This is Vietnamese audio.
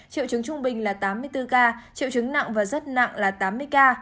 triệu chứng trung bình là tám mươi bốn ca triệu chứng nặng và rất nặng là tám mươi ca